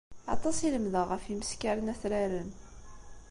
Aṭas i lemdeɣ ɣef yimeskaren atraren.